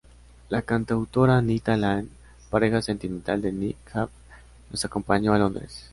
La cantautora Anita Lane, pareja sentimental de Nick Cave, los acompañó a Londres.